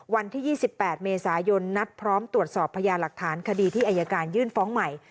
วันที่๒๘เมษายนนัดพร้อมตรวจสอบพญาหลักฐานคดีที่อายการยื่นฟ้องใหม่